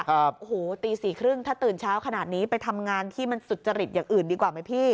โอ้โหตีสี่ครึ่งถ้าตื่นเช้าขนาดนี้ไปทำงานที่มันสุจริตอย่างอื่นดีกว่าไหมพี่